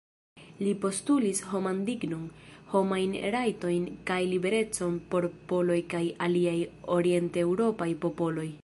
Li postulis homan dignon, homajn rajtojn kaj liberecon por poloj kaj aliaj orienteŭropaj popoloj.